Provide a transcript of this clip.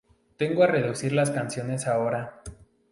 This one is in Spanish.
Tengo a reducir las canciones ahora!